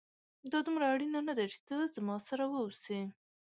دا دومره اړينه نه ده چي ته زما سره واوسې